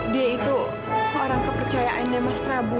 dia itu orang kepercayaannya mas prabu